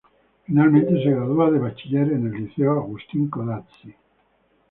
Finalmente, se gradúa de bachiller en el liceo Agustín Codazzi.